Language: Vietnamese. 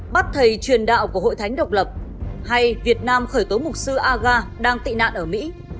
bắt thầy truyền đạo của hội thánh độc lập hay việt nam khởi tố mục sư aga đang tị nạn ở mỹ